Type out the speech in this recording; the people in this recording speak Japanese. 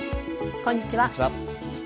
こんにちは。